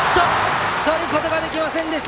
とることができませんでした。